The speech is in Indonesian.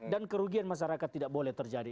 dan kerugian masyarakat tidak boleh terjadi